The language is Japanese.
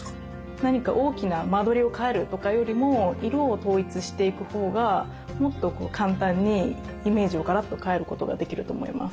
何か大きな間取りを変えるとかよりも色を統一していくほうがもっと簡単にイメージをガラッと変えることができると思います。